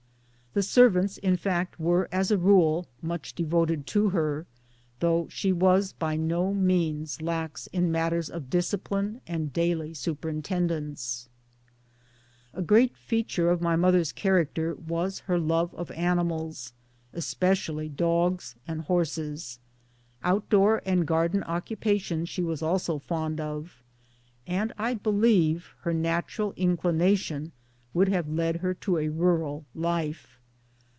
The servants in fact were as a rule much devoted to her though she was by no means lax in matters of discipline and daily superintendence . A great feature of my mother's character was her love of animals, especially dogs and horses. Out door and 1 garden occupations she was also fond of and I believe her natural inclination would have led her to a rural life.